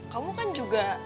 kamu kan juga